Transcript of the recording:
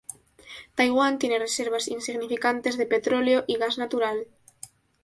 Taiwán tiene reservas insignificantes de petróleo y gas natural.